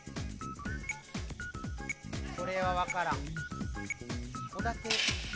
これはわからん。